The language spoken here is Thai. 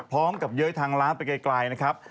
พร้อมกับเย้ยทางร้านไปไกลนะครับ